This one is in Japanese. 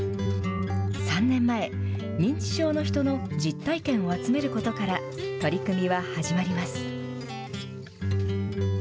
３年前、認知症の人の実体験を集めることから、取り組みは始まります。